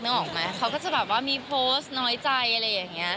นึกออกไหมเขาก็จะมีโพสต์น้อยใจอะไรอย่างนี้